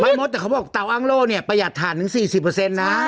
ไม่เมาะแต่เขาบอกเตาอังโล่ประหยัดทานถึง๔๐นะ